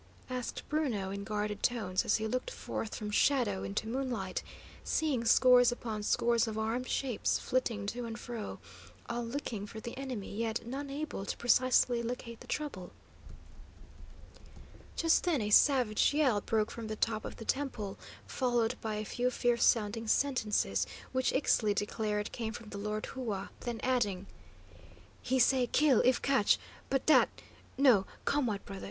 asked Bruno, in guarded tones, as he looked forth from shadow into moonlight, seeing scores upon scores of armed shapes flitting to and fro, all looking for the enemy, yet none able to precisely locate the trouble. Just then a savage yell broke from the top of the temple, followed by a few fierce sounding sentences, which Ixtli declared came from the Lord Hua, then adding: "He say kill if catch, but dat no! Come, white brother.